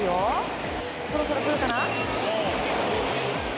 そろそろ来るかな。